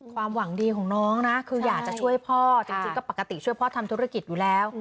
ความหวังดีของน้องนะคืออยากจะช่วยพ่อจริงก็ปกติช่วยพ่อทำธุรกิจอยู่แล้ว